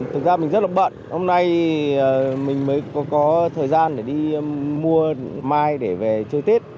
thực ra mình rất là bận hôm nay mình mới có thời gian để đi mua mai để về chơi tết